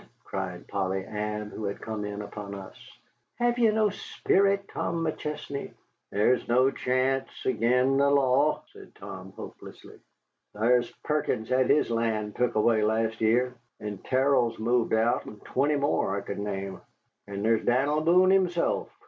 cried Polly Ann, who had come in upon us. "Hev ye no sperrit, Tom McChesney?" "There's no chance ag'in the law," said Tom, hopelessly. "Thar's Perkins had his land tuck away last year, and Terrell's moved out, and twenty more I could name. And thar's Dan'l Boone, himself.